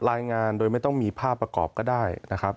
รายงานโดยไม่ต้องมีภาพประกอบก็ได้นะครับ